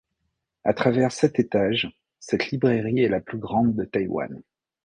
A travers sept étages, cette librairie est la plus grande de Taïwan.